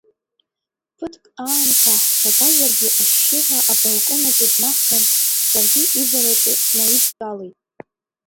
Ԥыҭк аамҭа ҳцәагазаргьы ашьшьыҳәа абалкон аҿы днаҳган, саргьы ивараҿы снаидтәалеит.